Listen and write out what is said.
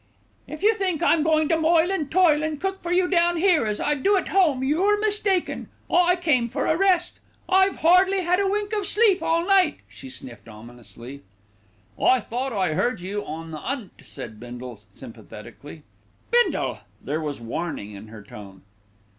"If you think I'm going to moil and toil and cook for you down here as I do at home, you're mistaken. I came for a rest. I've hardly had a wink of sleep all night," she sniffed ominously. "I thought I 'eard you on the 'unt," said Bindle sympathetically. "Bindle!" There was warning in her tone.